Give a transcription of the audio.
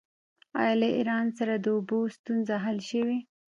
آیا له ایران سره د اوبو ستونزه حل شوې؟